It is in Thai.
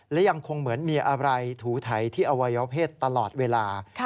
และยังคงเหมือนมีอะไรถูไถที่อวัยวเพศตลอดเวลา